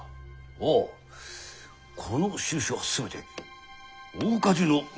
ああこの印は全て大火事の火元。